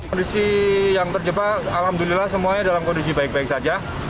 kondisi yang terjebak alhamdulillah semuanya dalam kondisi baik baik saja